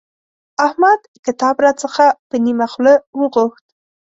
احمد کتاب راڅخه په نيمه خوله وغوښت.